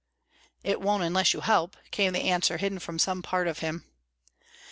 "It won't unless you help," came the answer from some hidden part of him.